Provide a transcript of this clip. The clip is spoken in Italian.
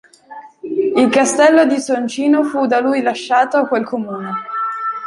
Il Castello di Soncino fu da lui lasciato a quel comune.